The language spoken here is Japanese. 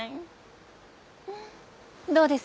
どうです？